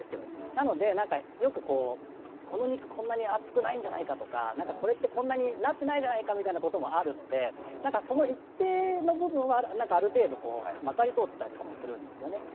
なので、よくこの肉、こんなに厚くないんじゃないかとか、これって、こんなになっていないじゃないかということもあるので、その一定の部分はある程度まかり通ってたりもするんですよね